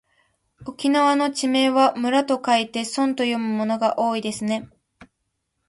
沖縄の地名は村と書いてそんと読むものが多いですね。